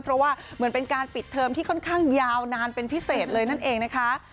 เพราะว่าเหมือนเป็นการปิดเทอมที่ค่อนข้างยาวนานเป็นพิเศษเลยนั่นเองนะคะ